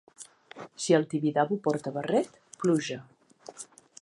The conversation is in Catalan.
Si el Tibidabo porta barret, pluja.